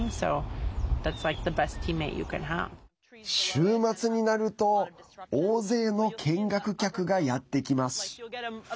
週末になると大勢の見学客がやってきます。